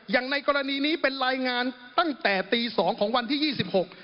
อย่างในกรณีนี้เป็นรายงานตั้งแต่ตีสองของวันที่ยี่สิบหก